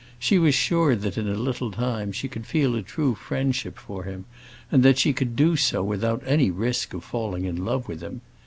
She was sure that in a little time she could feel a true friendship for him, and that she could do so without any risk of falling in love with him.